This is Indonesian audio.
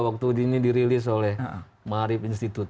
waktu ini dirilis oleh maharib institute